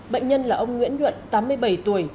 bệnh nhân là ông nguyễn luận tám mươi bảy tuổi